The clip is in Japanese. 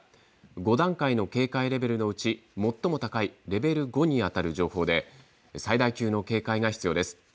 ５段階の警戒レベルのうち最も高いレベル５にあたる情報で最大級の警戒が必要です。